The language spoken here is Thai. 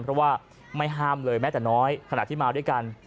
เพราะว่าไม่ห้ามเลยแม้แต่น้อยขณะที่มาด้วยกัน